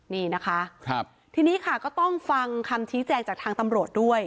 นี่นะคะทีนี้ค่ะก็ต้องฟังคำชี้แจงจากทางตำรวจด้วย